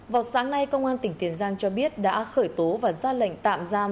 vào sáng nay công an tỉnh tiền giang cho biết đã khởi tố và ra lệnh tạm giam